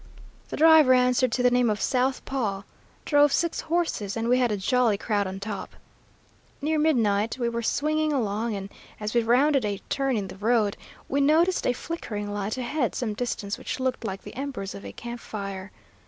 "The driver answered to the name of South Paw, drove six horses, and we had a jolly crowd on top. Near midnight we were swinging along, and as we rounded a turn in the road, we noticed a flickering light ahead some distance which looked like the embers of a camp fire.